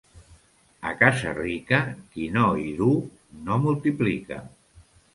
A casa rica, qui no hi duu, no multiplica.